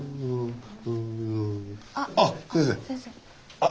あっ。